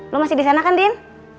lo masih di sana kan din